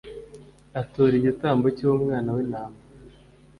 atura igitambo cy’umwana w’intama.